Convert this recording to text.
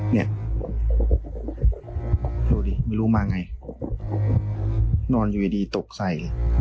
เนี่ยดูดิไม่รู้มาไงนอนอยู่ดีตกใส่